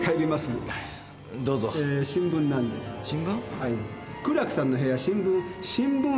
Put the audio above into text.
はい。